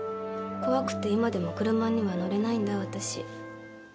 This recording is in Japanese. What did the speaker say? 怖くて今でも車には乗れないんだ、私。